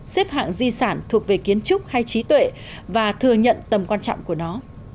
xếp hạng di sản thuộc về kiến trúc hay trí tuệ và thừa nhận tầm quan trọng của nó